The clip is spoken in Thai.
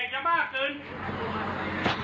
สะหรู